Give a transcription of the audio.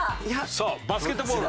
さあバスケットボール。